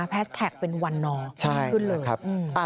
แท็กเป็นวันนอร์ขึ้นเลย